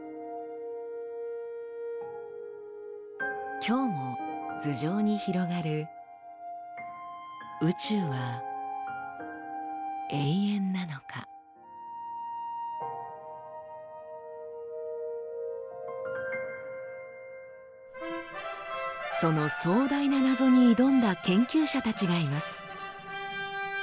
今日も頭上に広がるその壮大な謎に挑んだ研究者たちがいます。